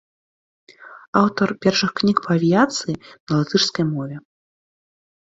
Аўтар першых кніг па авіяцыі на латышскай мове.